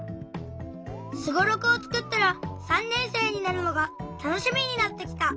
スゴロクをつくったら３年生になるのがたのしみになってきた！